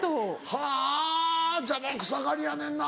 はぁ邪魔くさがりやねんな。